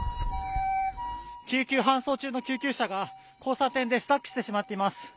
救急搬送中の救急車が、交差点でスタックしてしまっています。